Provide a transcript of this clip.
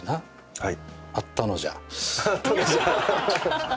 はい。